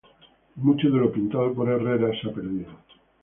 Mucho de lo pintado por Herrera se ha perdido.